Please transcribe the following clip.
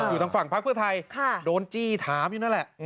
อยู่ทางฝั่งภาคพฤทัยโดนจี้ถามอยู่นั่นแหละ